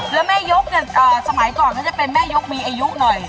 แล้วแม่ยกเนี่ยสมัยก่อนเขาจะเป็นแม่ยกมีอายุหน่อย